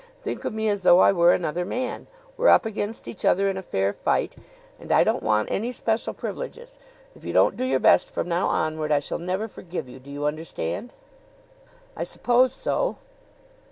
Think of me as though I were another man. We're up against each other in a fair fight, and I don't want any special privileges. If you don't do your best from now onward I shall never forgive you. Do you understand?" "I suppose so."